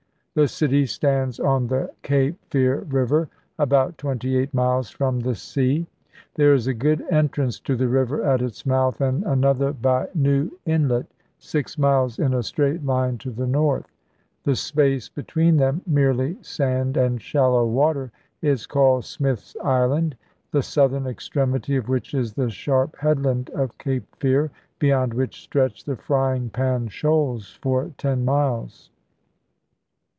The city stands on the Cape Fear River, about twenty eight miles from the sea. There is a good entrance to the river at its mouth, and another by New Inlet, six miles in a straight line to the north ; the space between them, merely sand and shallow water, is called Smith's Island, the southern extremity of which is the sharp headland of Cape Fear, beyond which stretch the Frying Pan Shoals for ten miles.